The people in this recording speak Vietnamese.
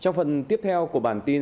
trong phần tiếp theo của bản tin